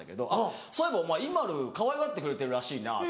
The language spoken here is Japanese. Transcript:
「そういえばお前ＩＭＡＬＵかわいがってくれてるらしいな」。